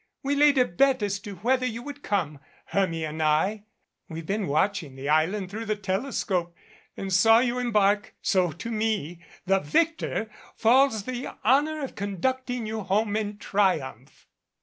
We laid a bet as to whether you would come, Hermia and I. We've been watching the island through the telescope, and saw you embark so to me the victor, falls the honor of conducting you home in triumph."